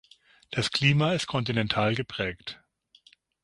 Das Klima ist kontinental geprägt.